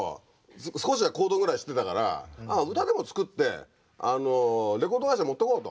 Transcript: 少しはコードぐらい知ってたから歌でも作ってレコード会社持ってこうと。